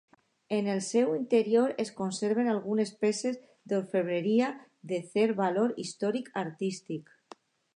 En el seu interior es conserven algunes peces d'orfebreria de cert valor històric artístic.